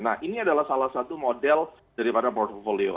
nah ini adalah salah satu model daripada portfolio